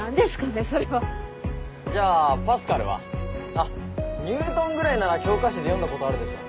あっニュートンぐらいなら教科書で読んだことあるでしょ。